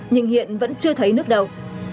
nhưng hiện vẫn chưa thấy nước đâu